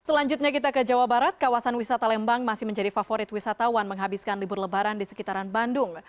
selanjutnya kita ke jawa barat kawasan wisata lembang masih menjadi favorit wisatawan menghabiskan libur lebaran di sekitaran bandung